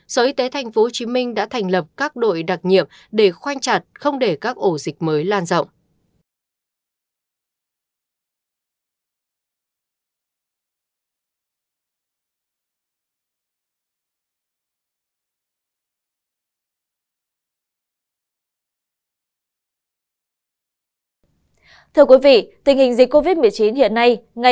sở y tế tp hcm đã thành lập các đội đặc nhiệm để khoanh chặt không để các ổ dịch mới lan rộng